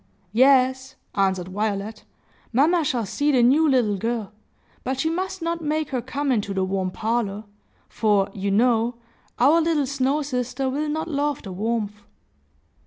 "Yes," answered Violet; "mamma shall see the new little girl. But she must not make her come into the warm parlor; for, you know, our little snow sister will not love the warmth."